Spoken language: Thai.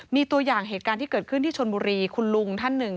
มีตัวอย่างเหตุการณ์ที่เกิดขึ้นที่ชนบุรีคุณลุงท่านหนึ่ง